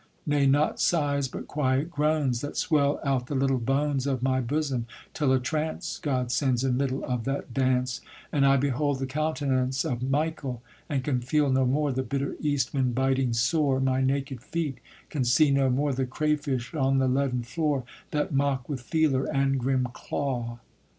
Nay, not sighs, but quiet groans, That swell out the little bones Of my bosom; till a trance God sends in middle of that dance, And I behold the countenance Of Michael, and can feel no more The bitter east wind biting sore My naked feet; can see no more The crayfish on the leaden floor, That mock with feeler and grim claw.